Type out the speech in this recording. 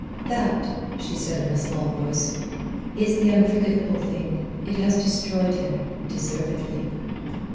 "That," she said in a small voice, "is the unforgivable thing. It has destroyed him deservedly."